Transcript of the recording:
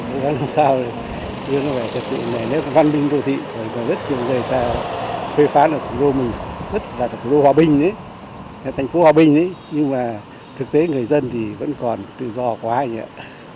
một lần sau nếu nó phải trật tựu này nếu có văn minh đô thị rồi còn rất nhiều người ta phê phán là thủ đô mình rất là thủ đô hòa bình thành phố hòa bình nhưng mà thực tế người dân thì vẫn còn tự do quá vậy ạ